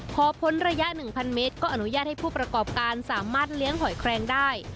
พอพ้นระยะ๑๐๐เมตรก็อนุญาตให้ผู้ประกอบการสามารถเลี้ยงหอยแคลงได้